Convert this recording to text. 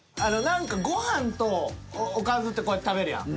ご飯とおかずってこうやって食べるやん。